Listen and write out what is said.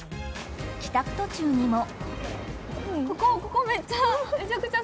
帰宅途中にも。